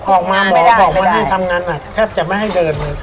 ออกมาหมอบอกว่านี่ทำงานหนักแทบจะไม่ให้เดินเลย